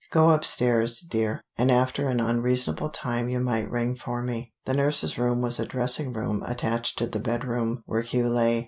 Go upstairs, dear, and after an unreasonable time you might ring for me." The nurse's room was a dressing room attached to the bedroom where Hugh lay.